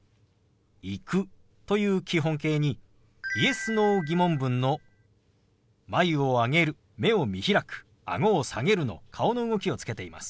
「行く」という基本形にＹｅｓ−Ｎｏ疑問文の眉を上げる目を見開くあごを下げるの顔の動きをつけています。